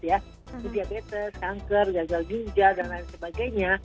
ya diabetes kanker gagal jinja dan lain sebagainya